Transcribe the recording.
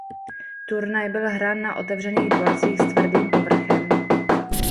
Turnaj byl hrán na otevřených dvorcích s tvrdým povrchem.